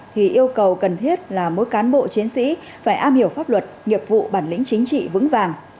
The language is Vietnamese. thì yêu cầu cần thiết là mỗi cán bộ chiến sĩ phải am hiểu pháp luật nghiệp vụ bản lĩnh chính trị vững vàng